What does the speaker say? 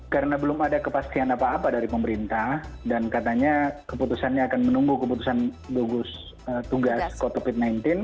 karena belum ada kepastian apa apa dari pemerintah dan katanya keputusannya akan menunggu keputusan tugas covid sembilan belas